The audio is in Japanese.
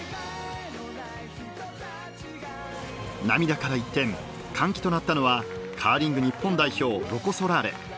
涙から一転歓喜となったのはカーリング日本代表ロコ・ソラーレ。